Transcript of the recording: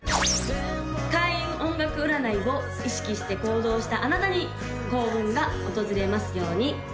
開運音楽占いを意識して行動したあなたに幸運が訪れますように！